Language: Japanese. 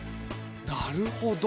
なるほど！